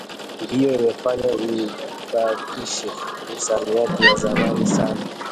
ndiyo imefanya ibakishe misamiati ya zamani sana